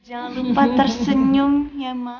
jangan lupa tersenyum ya mak